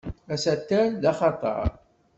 Asatal d axatar.